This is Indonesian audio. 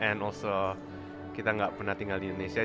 and also kita gak pernah tinggal di indonesia